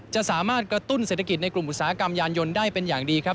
จะสามารถกระตุ้นเศรษฐกิจในกลุ่มอุตสาหกรรมยานยนต์ได้เป็นอย่างดีครับ